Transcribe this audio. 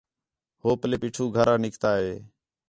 ہو پلّے پیٹھو گھر آ نِکتا ہِے